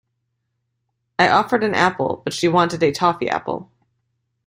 I offered an apple, but she wanted a toffee apple.